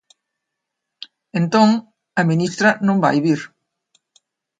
Entón, a ministra non vai vir.